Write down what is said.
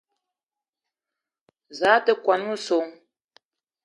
Za a te kwuan a messong?